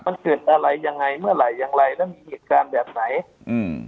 มันเกิดอะไรยังไงเมื่อไหร่อย่างไรแล้วมีเหตุการณ์แบบไหนอืม